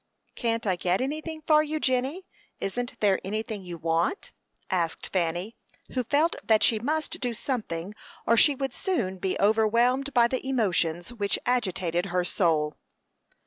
"Can't I get anything for you, Jenny? Isn't there anything you want?" asked Fanny, who felt that she must do something, or she would soon be overwhelmed by the emotions which agitated her soul.